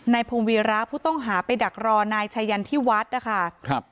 พงวีระผู้ต้องหาไปดักรอนายชายันที่วัดนะคะครับ